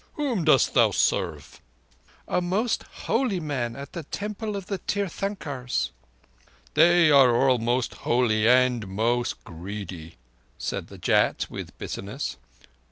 "Whom dost thou serve?" "A most holy man at the Temple of the Tirthankers." "They are all most holy and—most greedy," said the Jat with bitterness.